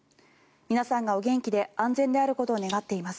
皆さんがお元気で安全であることを願っています